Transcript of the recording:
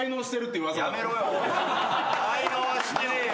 滞納はしてねえよ！